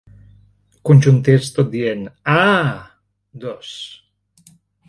Conjuntés tot dient ah! dos.